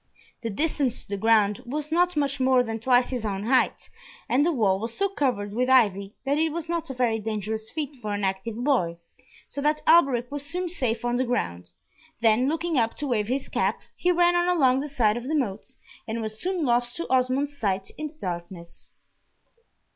The distance to the ground was not much more than twice his own height, and the wall was so covered with ivy, that it was not a very dangerous feat for an active boy, so that Alberic was soon safe on the ground, then looking up to wave his cap, he ran on along the side of the moat, and was soon lost to Osmond's sight in the darkness.